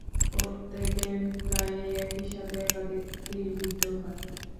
প্রত্যেকের গায়েই একই সাথে একাধিক তীরবিদ্ধ হয়।